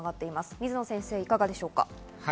水野先生、いかがですか。